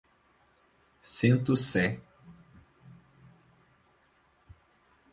Sento Sé